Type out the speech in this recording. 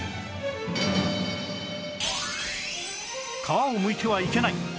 皮をむいてはいけない